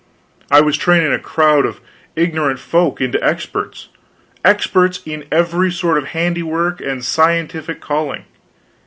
I was training a crowd of ignorant folk into experts experts in every sort of handiwork and scientific calling.